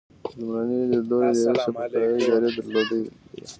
لومړی لیدلوری د یوې شفافې ادارې درلودل دي.